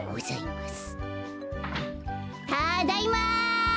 たっだいま。